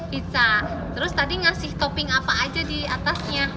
pizza terus tadi ngasih topping apa aja diatasnya